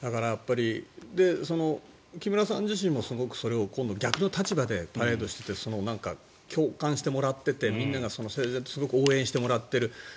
木村さん自身もすごく逆の立場でパレードしていて共感してもらっていてみんなが整然とすごく応援してもらっている。